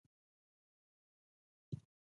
ماشوم په څاه کې ډبله واچوله.